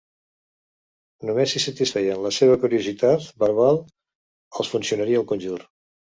Només si satisfeien la seva curiositat verbal els funcionaria el conjur.